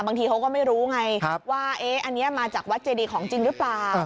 บางทีเขาก็ไม่รู้ไงว่าอันนี้มาจากวัดเจดีของจริงหรือเปล่า